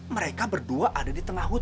mereka berdua ada di tengahnya bukan